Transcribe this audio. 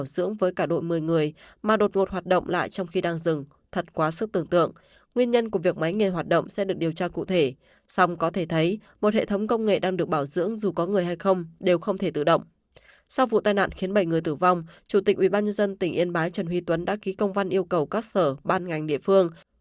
sau vụ tai nạn khiến bảy người tử vong chủ tịch ubnd tỉnh yên bái trần huy tuấn đã ký công văn yêu cầu các sở ban ngành địa phương